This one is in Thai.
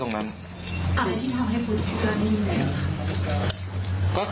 มึงอยากให้ผู้ห่างติดคุกหรอ